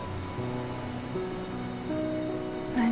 何？